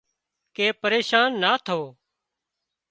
ڪي پريشان نا ٿو